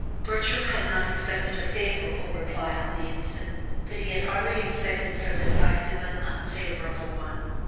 Bertram had not expected a favourable reply on the instant, but he had hardly expected so decisive an unfavorable one.